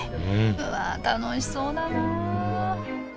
うわ楽しそうだなあ